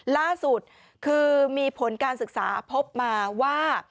ล่าสุดคือมีผลการศึกษาพบมาว่า